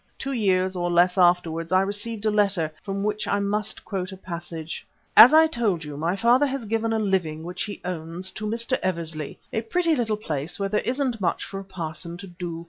Two years or less afterwards I received a letter, from which I must quote a passage: "As I told you, my father has given a living which he owns to Mr. Eversley, a pretty little place where there isn't much for a parson to do.